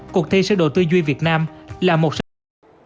cuộc thi sơ đồ tuy duy việt nam là một sơ đồ tuy duy việt nam